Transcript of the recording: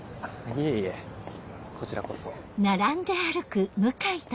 いえいえこちらこそ。